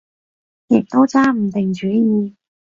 亦都揸唔定主意